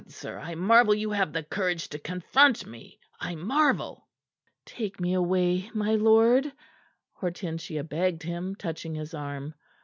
sir, I marvel you have the courage to confront me. I marvel!" "Take me away, my lord," Hortensia begged him, touching his arm.